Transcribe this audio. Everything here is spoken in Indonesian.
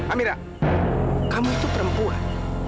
amira kamu itu perempuan